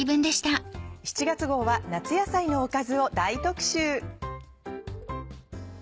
７月号は夏野菜のおかずを大特集。